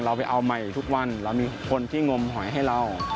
เราไปเอาใหม่ทุกวันเรามีคนที่งมหอยให้เรา